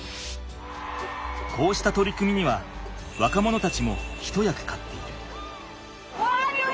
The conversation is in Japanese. こうした取り組みには若者たちも一役買っている。